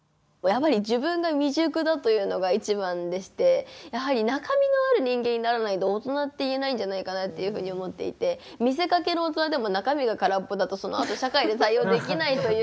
やっぱり自分が未熟だというのが一番でしてやはり中身のある人間にならないと大人って言えないんじゃないかなっていうふうに思っていて見せかけの大人でも中身が空っぽだとそのあと社会で対応できないというか。